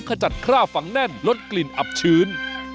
ขจัดคราบฝังแน่นลดกลิ่นอับชื้น